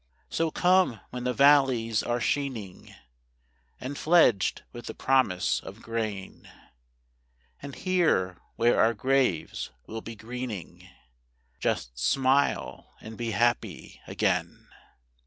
So come when the valleys are sheening, And fledged with the promise of grain; And here where our graves will be greening, Just smile and be happy again.'